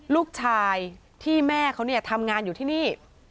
ลูกชายที่แม่เขาเนี่ยทำงานอยู่ที่นี่